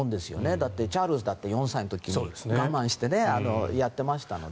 だってチャールズ国王だって４歳の時に我慢してやってましたので。